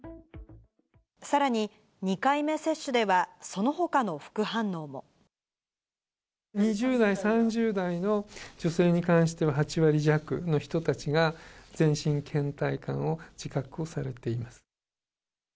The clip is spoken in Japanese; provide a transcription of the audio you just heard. さらに２回目接種では、２０代、３０代の女性に関しては、８割弱の人たちが全身けん怠感を自覚をされています。